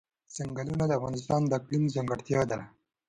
ځنګلونه د افغانستان د اقلیم ځانګړتیا ده.